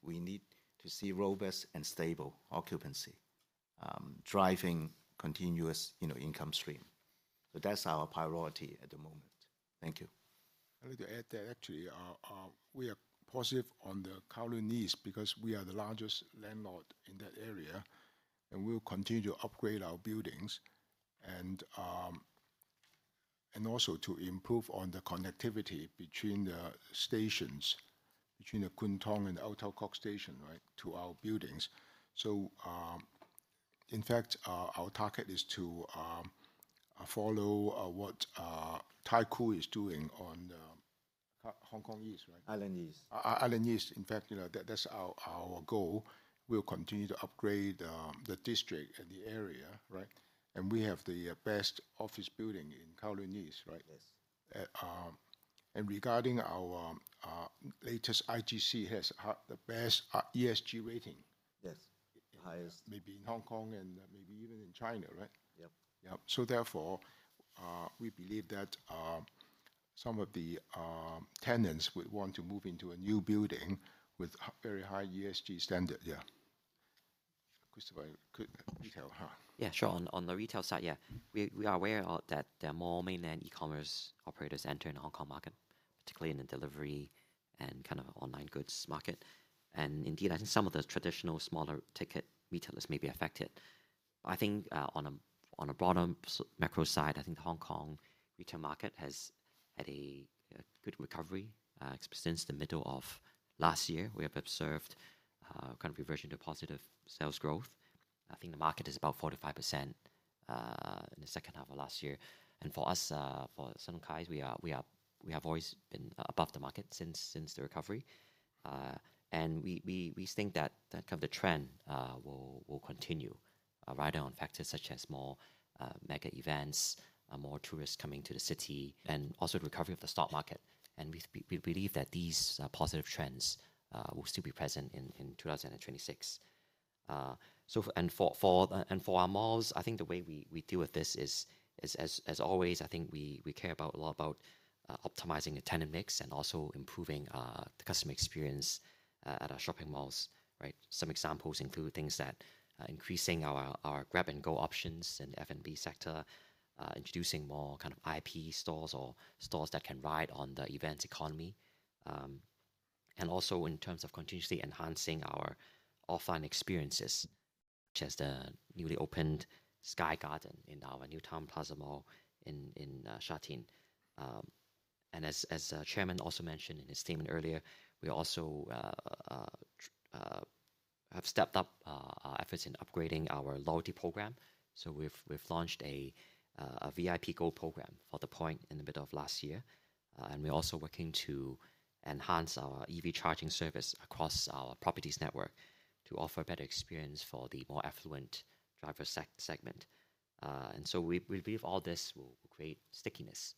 we need to see robust and stable occupancy driving continuous, you know, income stream. That's our priority at the moment. Thank you. I need to add that actually, we are positive on the Kowloon East, because we are the largest landlord in that area, and we will continue to upgrade our buildings and also to improve on the connectivity between the stations, between the Kwun Tong and the Ngau Tau Kok station, right, to our buildings. In fact, our target is to follow what Taikoo is doing on Hong Kong East, right? Island East. Island East. In fact, you know, that's our goal. We'll continue to upgrade the district and the area, right? We have the best office building in Kowloon East, right? Yes. Regarding our, latest IGC has the best ESG rating. Yes, highest. Maybe in Hong Kong and, maybe even in China, right? Yep. Yep. Therefore, we believe that some of the tenants would want to move into a new building with very high ESG standard. Yeah. Christopher, could you retail, huh? Yeah, sure. On the retail side, we are aware of that there are more mainland e-commerce operators entering the Hong Kong market, particularly in the delivery and kind of online goods market. Indeed, I think some of the traditional smaller ticket retailers may be affected. I think on a broader macro side, I think the Hong Kong retail market has had a good recovery. Since the middle of last year, we have observed kind of reversion to positive sales growth. I think the market is about 45% in the second half of last year. For us, for Sun Hung Kai, we have always been above the market since the recovery. We think that kind of the trend will continue right on factors such as more mega events, more tourists coming to the city, and also the recovery of the stock market. We believe that these positive trends will still be present in 2026. For our malls, I think the way we deal with this is as always, I think we care a lot about optimizing the tenant mix and also improving the customer experience at our shopping malls, right? Some examples include things that increasing our grab-and-go options in the F&B sector, introducing more kind of IP stores or stores that can ride on the event economy. Also in terms of continuously enhancing our offline experiences, such as the newly opened Sky Garden in our New Town Plaza in Sha Tin. As Chairman also mentioned in his statement earlier, we also have stepped up our efforts in upgrading our loyalty program. We've launched a VIP gold program for The Point in the middle of last year, and we're also working to enhance our EV charging service across our properties network to offer a better experience for the more affluent driver segment. We believe all this will create stickiness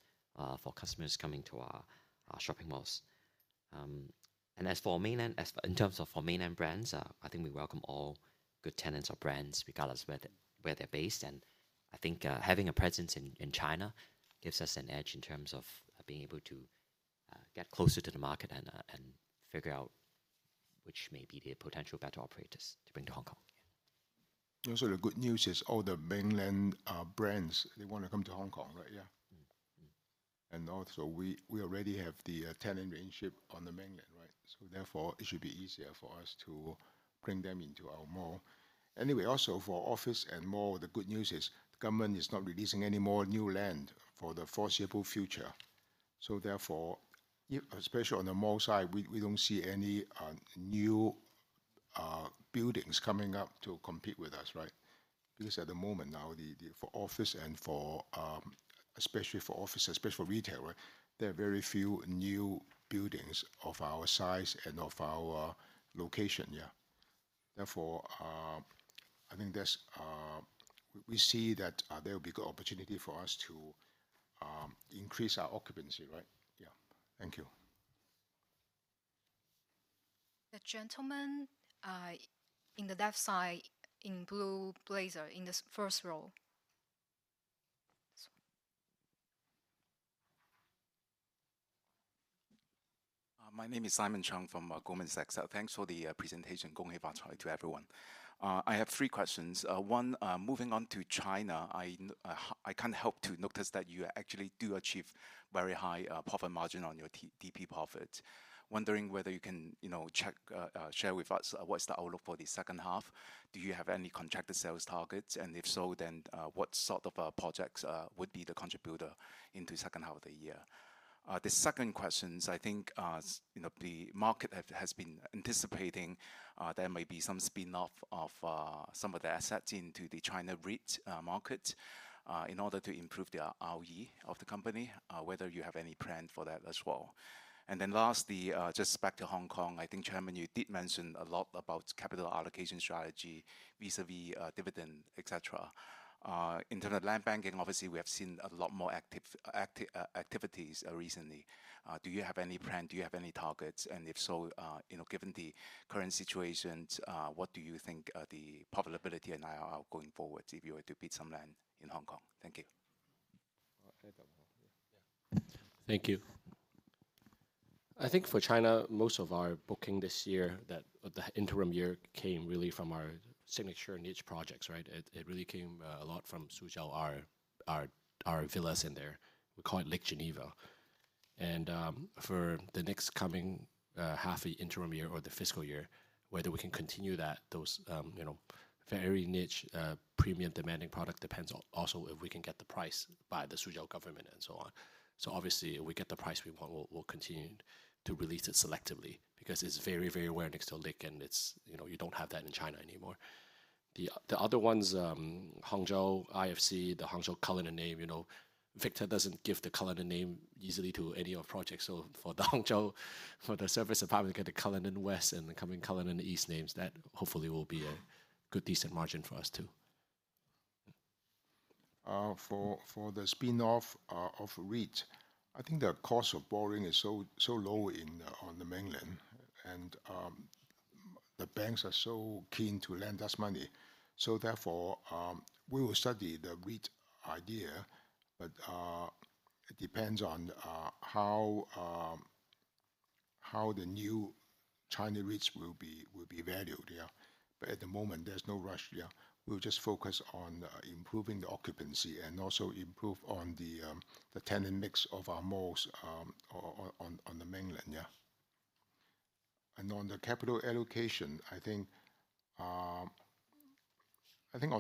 for customers coming to our shopping malls. As for mainland, as for in terms of for mainland brands, I think we welcome all good tenants or brands, regardless where they, where they're based. I think having a presence in China gives us an edge in terms of being able to get closer to the market and figure out which may be the potential better operators to bring to Hong Kong. The good news is all the mainland brands, they wanna come to Hong Kong, right? Yeah. We already have the tenant relationship on the mainland, right? Therefore, it should be easier for us to bring them into our mall. For office and mall, the good news is the government is not releasing any more new land for the foreseeable future. Therefore, especially on the mall side, we don't see any new buildings coming up to compete with us, right? At the moment now, the for office and for especially for office, especially for retail, right, there are very few new buildings of our size and of our location, yeah. Therefore, I think there's We see that there will be good opportunity for us to increase our occupancy, right? Yeah. Thank you. The gentleman, in the left side, in blue blazer, in the first row. My name is Simon Cheung from Goldman Sachs. Thanks for the presentation. "..." to everyone. I have three questions. One, moving on to China, I can't help to notice that you actually do achieve very high profit margin on your DP profit. Wondering whether you can, you know, share with us what's the outlook for the second half? Do you have any contracted sales targets? If so, what sort of projects would be the contributor into second half of the year? The second questions, I think, you know, the market has been anticipating there may be some spin-off of some of the assets into the China REIT market in order to improve the ROE of the company, whether you have any plan for that as well? Lastly, just back to Hong Kong, I think, Chairman, you did mention a lot about capital allocation strategy, vis-a-vis, dividend, et cetera. In terms of land banking, obviously, we have seen a lot more active activities recently. Do you have any plan? Do you have any targets? And if so, you know, given the current situations, what do you think are the profitability and IRR going forward if you were to bid some land in Hong Kong? Thank you. Adam. Thank you. I think for China, most of our booking this year, the interim year, came really from our signature niche projects, right? It really came a lot from Suzhou, our villas in there. We call it Lake Genève. For the next coming half interim year or the fiscal year, whether we can continue that, those, you know, very niche, premium demanding product, depends on also if we can get the price by the Suzhou government and so on. Obviously, if we get the price we want, we'll continue to release it selectively, because it's very, very rare, next to a lake, and it's, you know, you don't have that in China anymore. The other ones, Hangzhou IFC, the Hangzhou Cullinan name, you know, Victor doesn't give the Cullinan name easily to any of projects. For the Hangzhou, for the Service Apartment, get the Cullinan West and the coming Cullinan East names, that hopefully will be a good, decent margin for us, too. For, for the spin-off of REIT, I think the cost of borrowing is so low in on the mainland, and the banks are so keen to lend us money. Therefore, we will study the REIT idea, but it depends on how the new China REITs will be valued, yeah. At the moment, there's no rush, yeah. We'll just focus on improving the occupancy and also improve on the tenant mix of our malls on the mainland, yeah. On the capital allocation, I think on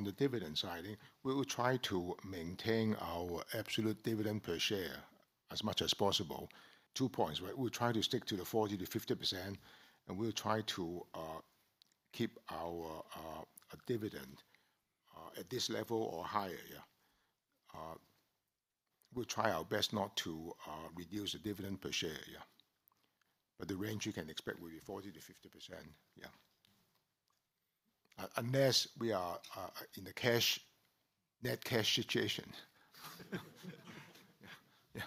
the dividend side, I think we will try to maintain our absolute dividend per share as much as possible. Two points, right? We'll try to stick to the 40%-50%, we'll try to keep our dividend at this level or higher, yeah. We'll try our best not to reduce the dividend per share, yeah. The range you can expect will be 40%-50%, yeah. Unless we are in a cash, net cash situation. Yeah. Yeah.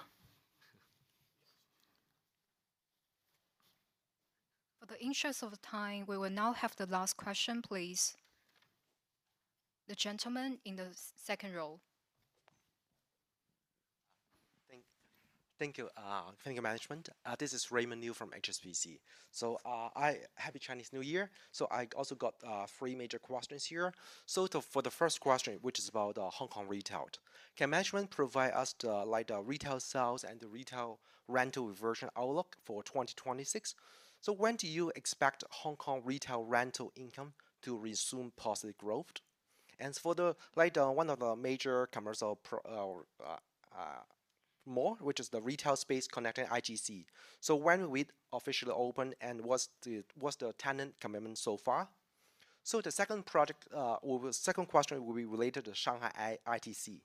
For the interest of time, we will now have the last question, please. The gentleman in the second row. Thank you, thank you, management. This is Raymond Liu from HSBC. Happy Chinese New Year. I also got three major questions here. For the first question, which is about Hong Kong retail. Can management provide us the retail sales and the retail rental version outlook for 2026? When do you expect Hong Kong retail rental income to resume positive growth? For one of the major commercial mall, which is the retail space connecting ITC. When will it officially open, and what's the tenant commitment so far? The second project, or the second question will be related to Shanghai ITC.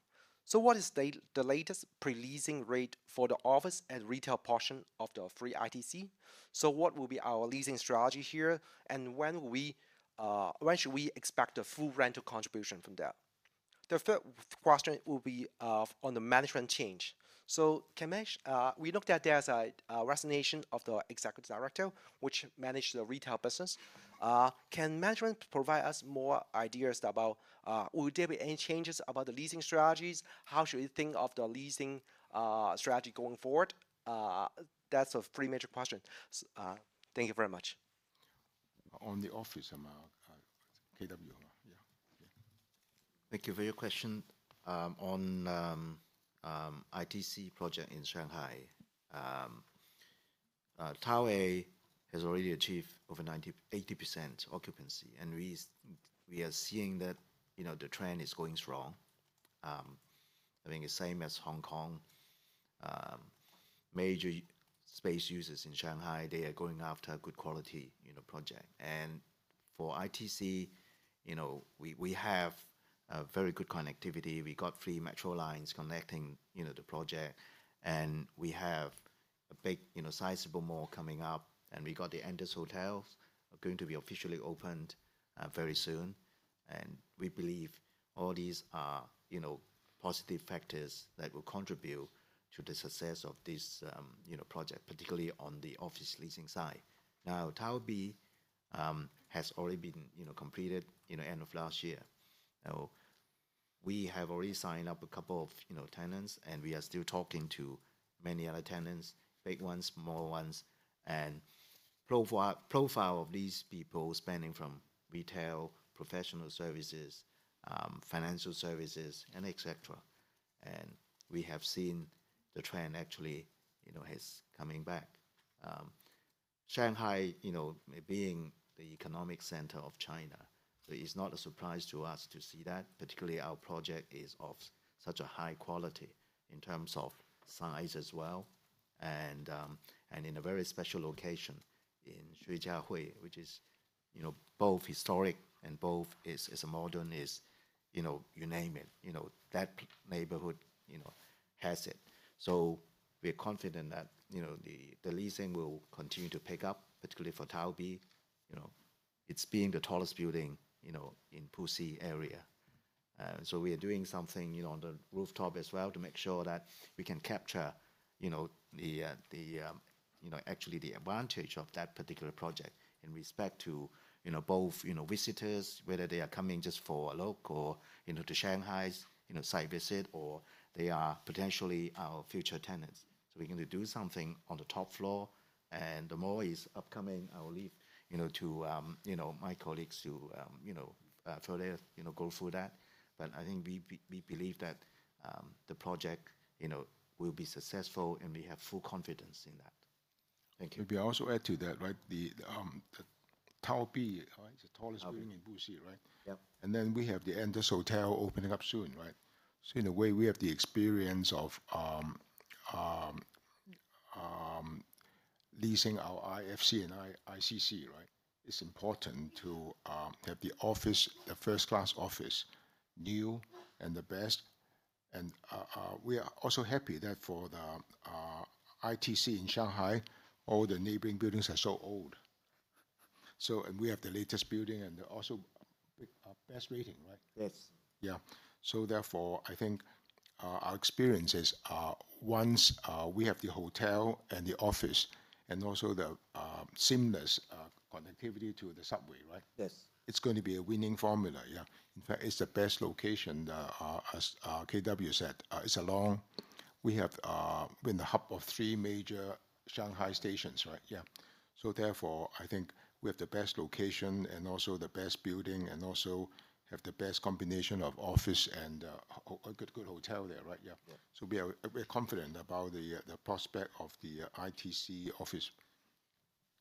What is the latest pre-leasing rate for the office and retail portion of the Three ITC? What will be our leasing strategy here, and when will we, when should we expect the full rental contribution from that? The third question will be on the management change. Kamesh, we looked at there's a resignation of the executive director, which managed the retail business. Can management provide us more ideas about Will there be any changes about the leasing strategies? How should we think of the leasing strategy going forward? That's a pretty major question. Thank you very much. On the office amount, KW? Yeah. Yeah. Thank you for your question. On ITC project in Shanghai, Tower A has already achieved over 80% occupancy, and we are seeing that, you know, the trend is going strong. I think the same as Hong Kong, major space users in Shanghai, they are going after good quality, you know, project. For ITC, you know, we have a very good connectivity. We got three metro lines connecting, you know, the project, and we have a big, you know, sizable mall coming up, and we got the Andaz Hotel, going to be officially opened, very soon. We believe all these are, you know, positive factors that will contribute to the success of this, you know, project, particularly on the office leasing side. Tower B has already been, you know, completed, you know, end of last year. We have already signed up a couple of, you know, tenants, and we are still talking to many other tenants, big ones, small ones. Profile of these people spanning from retail, professional services, financial services, and et cetera. We have seen the trend actually, you know, is coming back. Shanghai, you know, being the economic center of China, it's not a surprise to us to see that, particularly our project is of such a high quality in terms of size as well, and in a very special location in which is, you know, both historic and both is a modernist, you know, you name it. You know, that neighborhood, you know, has it. We are confident that, you know, the leasing will continue to pick up, particularly for Tower B. You know, it's been the tallest building, you know, in Puxi area. We are doing something, you know, on the rooftop as well to make sure that we can capture, you know, the, actually the advantage of that particular project in respect to, you know, both, you know, visitors, whether they are coming just for a local, you know, to Shanghai's, you know, site visit, or they are potentially our future tenants. We're going to do something on the top floor, and the mall is upcoming. I will leave, you know, to, you know, my colleagues to, you know, further, you know, go through that. I think we believe that, the project, you know, will be successful, and we have full confidence in that. Thank you. Let me also add to that, right? the Tower B, right? The tallest. Tower B building in Puxi, right? Yep. We have the Andaz Hotel opening up soon, right? In a way, we have the experience of leasing our IFC and ICC, right? It's important to have the office, a first-class office, new and the best. We are also happy that for the ITC in Shanghai, all the neighboring buildings are so old. We have the latest building, and they're also best rating, right? Yes. Yeah. Therefore, I think our experience is, once we have the hotel and the office and also the seamless connectivity to the subway, right? Yes. It's going to be a winning formula. Yeah. In fact, it's the best location, as K W Lo said. It's along... We have been the hub of three major Shanghai stations, right? Yeah. Therefore, I think we have the best location and also the best building, and also have the best combination of office and a good hotel there, right? Yeah. Yeah. We're confident about the prospect of the ITC office.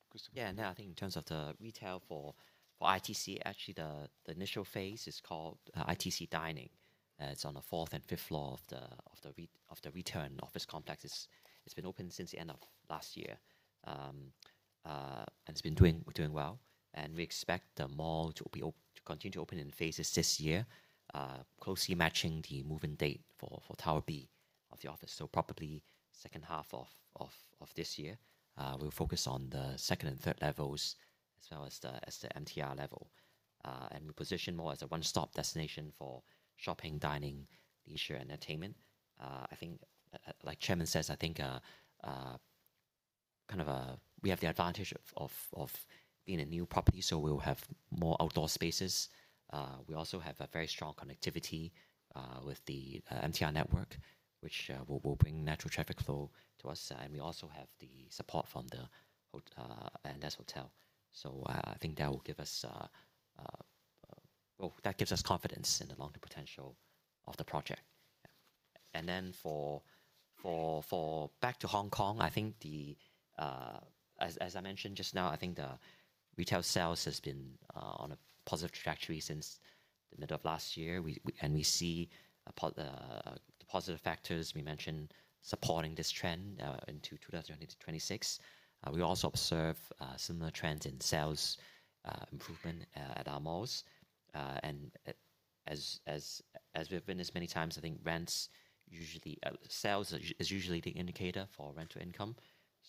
Christopher? I think in terms of the retail for ITC, actually, the initial phase is called ITC Dining. It's on the fourth and fifth floor of the return office complex. It's been open since the end of last year, and it's been doing well. We expect the mall to continue to open in phases this year, closely matching the move-in date for Tower B of the office. Probably second half of this year, we'll focus on the second and third levels, as well as the MTR level. We position more as a one-stop destination for shopping, dining, leisure, entertainment. I think, like Chairman says, I think we have the advantage of being a new property, we'll have more outdoor spaces. We also have a very strong connectivity with the MTR network, which will bring natural traffic flow to us. We also have the support from the Andaz Hotel. I think that will give us... Well, that gives us confidence in the long-term potential of the project. For back to Hong Kong, I think I mentioned just now, I think the retail sales has been on a positive trajectory since the middle of last year. We see the positive factors we mentioned supporting this trend into 2026. We also observe similar trends in sales improvement at our malls. As we've been this many times, I think rents usually, sales is usually the indicator for rental income.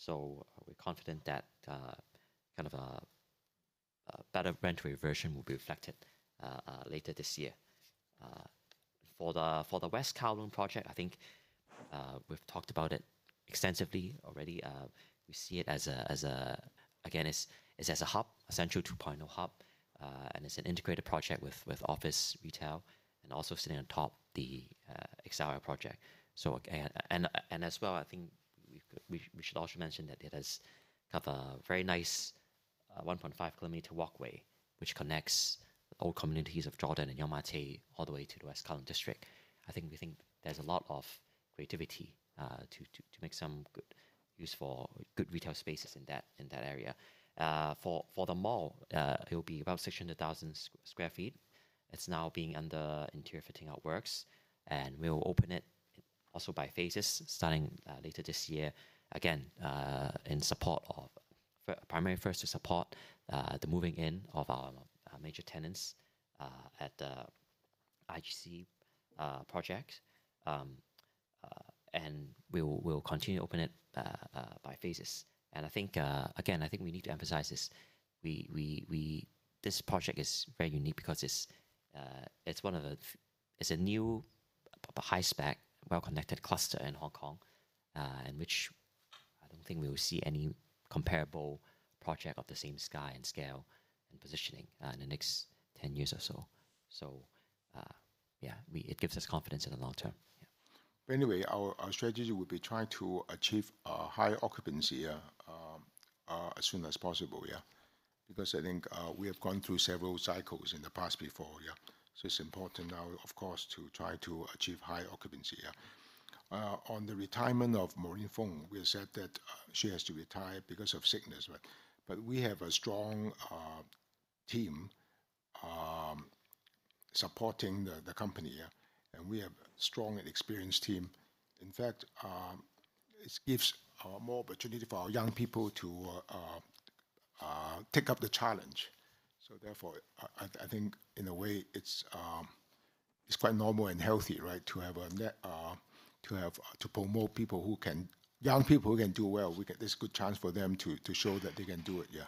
We're confident that kind of rent reversion will be reflected later this year. For the West Kowloon project, I think we've talked about it extensively already. We see it as a, again, as a hub, a Central 2.0 hub, and as an integrated project with office retail and also sitting on top of the XRL project. As well, I think we should also mention that it has quite a very nice 1.5-kilometer walkway, which connects the old communities of Jordan and Yau Ma Tei all the way to the West Kowloon district. I think we think there's a lot of creativity to make some good useful, good retail spaces in that area. For the mall, it'll be about 600,000 sq ft. It's now being under interior fitting out works, and we'll open it also by phases starting later this year. Again, in support of primary first to support the moving in of our major tenants at the IGC project. We'll continue to open it by phases. I think. again, I think we need to emphasize this. This project is very unique because it's one of a new, high spec, well-connected cluster in Hong Kong, and which I don't think we will see any comparable project of the same sky and scale and positioning in the next 10 years or so. Yeah, it gives us confidence in the long term. Yeah. Our strategy will be trying to achieve a higher occupancy as soon as possible, yeah. I think we have gone through several cycles in the past before, yeah. It's important now, of course, to try to achieve high occupancy, yeah. On the retirement of Maureen Fung, we have said that she has to retire because of sickness, right? We have a strong team supporting the company, yeah, and we have strong and experienced team. In fact, this gives more opportunity for our young people to take up the challenge. I think in a way, it's quite normal and healthy, right? To promote young people who can do well. We get this good chance for them to show that they can do it, yeah.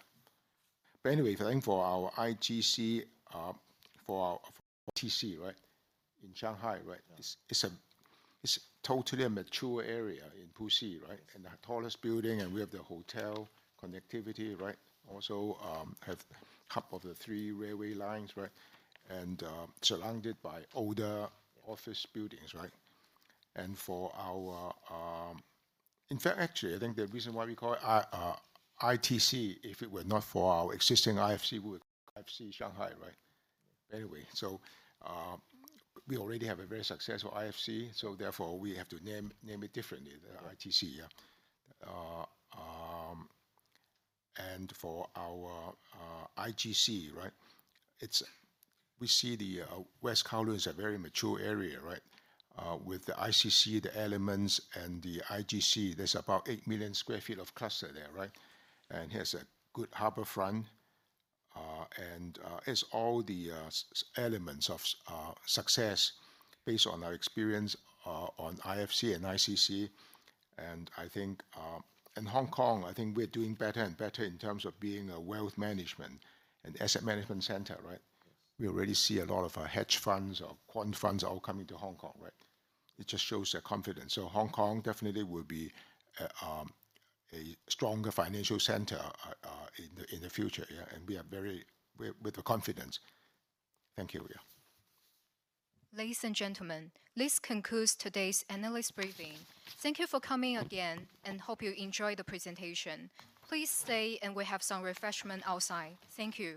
Anyway, I think for our IGC, for our ITC, right, in Shanghai, right? Yeah. It's a totally mature area in Puxi, right? The tallest building, and we have the hotel connectivity, right? Also, have hub of the three railway lines, right? Surrounded by older office buildings, right? For our, in fact, actually, I think the reason why we call it ITC, if it were not for our existing IFC, we would IFC Shanghai, right? Anyway, we already have a very successful IFC, so therefore, we have to name it differently, the ITC, yeah. For our IGC, right, we see the West Kowloon is a very mature area, right? With the ICC, the ELEMENTS, and the IGC, there's about 8 million sq ft of cluster there, right? There's a good harbor front, and it's all the elements of success based on our experience on IFC and ICC. I think, in Hong Kong, I think we're doing better and better in terms of being a wealth management and asset management center, right? Yes. We already see a lot of our hedge funds or quant funds all coming to Hong Kong, right? It just shows their confidence. Hong Kong definitely will be a stronger financial center in the future, and We're with the confidence. Thank you. Ladies and gentlemen, this concludes today's analyst briefing. Thank you for coming again, and hope you enjoyed the presentation. Please stay, and we have some refreshment outside. Thank you.